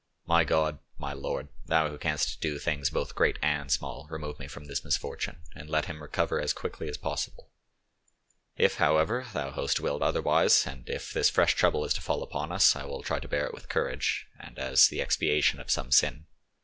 My God, my Lord, Thou who canst do things both great and small, remove from me this misfortune, and let him recover as quickly as possible. If, however, Thou host willed otherwise, and if this fresh trouble is to fall upon us, I will try to bear it with courage, and as the expiation of same sin.